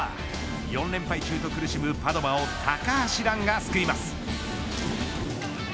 ４連敗中と苦しむパドバを高橋藍が救います。